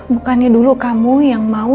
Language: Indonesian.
bukannya dulu kamu yang mau